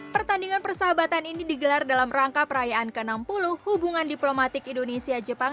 pertandingan persahabatan ini digelar dalam rangka perayaan ke enam puluh hubungan diplomatik indonesia jepang